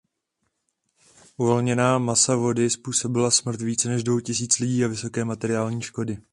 Uvolněná masa vody způsobila smrt více než dvou tisíc lidí a vysoké materiální škody.